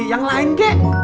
yang lain kek